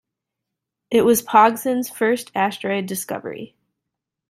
It was Pogson's first asteroid discovery.